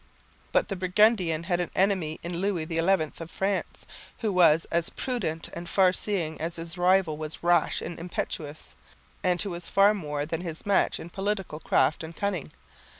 But the Burgundian had an enemy in Louis XI of France, who was as prudent and far seeing as his rival was rash and impetuous, and who was far more than his match in political craft and cunning.